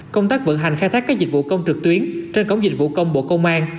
công tác vận hành khai thác các dịch vụ công trực tuyến trên cổng dịch vụ công bộ công an